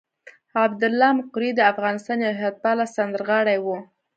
عبدالله مقری د افغانستان یو هېواد پاله سندرغاړی وو.